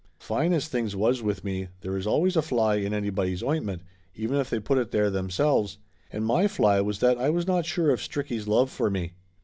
Fine as things was with me, there is always a fly in anybody's ointment, even if they have put it there themselves, and my fly was that I was not sure of Stricky's love for me.